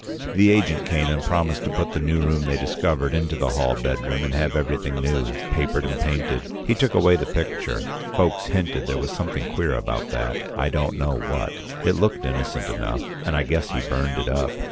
The agent came and promised to put the new room they discovered into the hall bedroom and have everything new — papered and painted. He took away the picture; folks hinted there was something queer about that, I don't know what. It looked innocent enough, and I guess he burned it up.